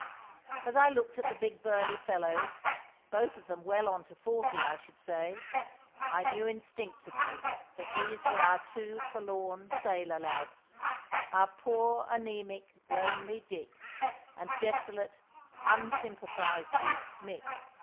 As I looked at the big, burly fellows, both of them well on to forty I should say, I knew instinctively that these were our two forlorn sailor lads—our poor anæmic, lonely Dick, and desolate, unsympathised with Mick.